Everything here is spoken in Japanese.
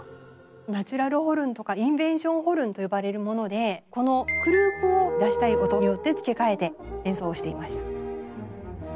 ナチュラルホルンとかインベンションホルンと呼ばれるものでこのクルークを出したい音によって付け替えて演奏していました。